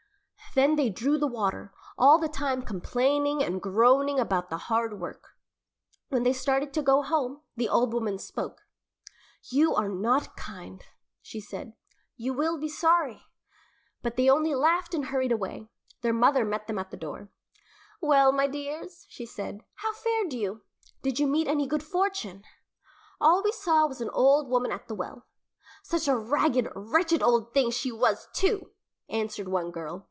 Then they drew the water, all the time complaining and groaning about the hard work. When they started to go home, the old woman spoke. "You are not kind," she said, "you will be sorry." But they only laughed and hurried away. Their mother met them at the door. "Well, my dears," she said, "how fared you? Did you meet any good fortune?" "All we saw was an old woman at the well such a ragged, wretched old thing she was, too!" answered one girl.